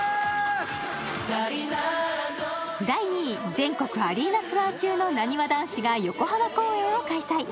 全国アリーナツアー中のなにわ男子が横浜公演を開催。